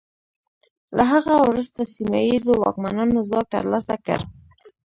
له هغه وروسته سیمه ییزو واکمنانو ځواک ترلاسه کړ.